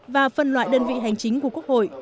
và phân loại đơn vị hành chính của quốc hội